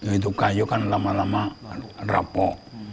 itu kayu kan lama lama rapok